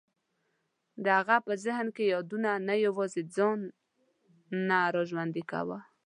د هغه په ذهن کې یادونو نه یوازې ځان نه را ژوندی کاوه.